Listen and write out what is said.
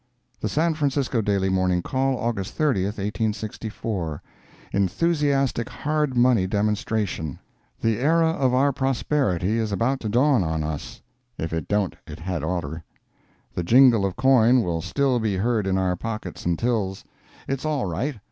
The San Francisco Daily Morning Call, August 30, 1864 ENTHUSIASTIC HARD MONEY DEMONSTRATION The era of our prosperity is about to dawn on us. If it don't it had orter. The jingle of coin will still be heard in our pockets and tills. It's all right.